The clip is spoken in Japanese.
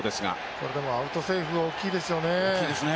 これはでも、アウト、セーフ、大きいですよね。